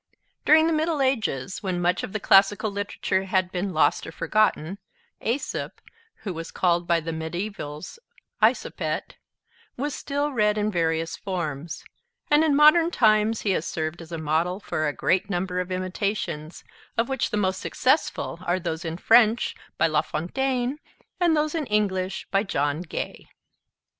During the Middle Ages, when much of the classical literature had been lost or forgotten, Aesop, who was called by the mediaevals "Isopet," was still read in various forms; and in modern times he has served as a model for a great number of imitations, of which the most successful are those in French by Lafontaine and those in English by John Gay.